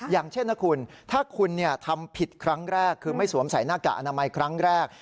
อย่างเช่นนะคุณถ้าคุณทำผิดครั้งแรกคือไม่สวมใส่หน้ากากอนามัยครั้งแรก